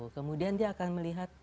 kemudian dia akan melihat